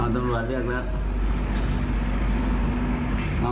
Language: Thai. ตำรวจเรียกแล้ว